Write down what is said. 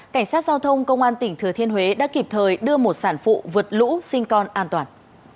cảnh sát giao thông công an tỉnh thừa thiên huế đã kịp thời đưa một sản phụ vượt lũ sinh con an toàn